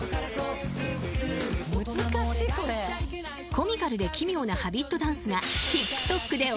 ［コミカルで奇妙な『Ｈａｂｉｔ』ダンスが］